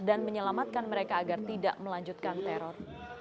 dan menyelamatkan mereka agar tidak melanjutkan teror